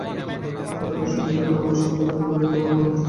গতকাল সৌমেন্দ্রর নামে সম্পদ বিবরণী জমা দেওয়ার নোটিশও জারি করেছে দুদক।